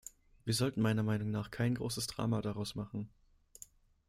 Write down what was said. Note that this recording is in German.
Wir sollten meiner Meinung nach kein großes Drama daraus machen.